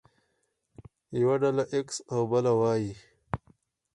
يوه ډله ايکس او بله وايي.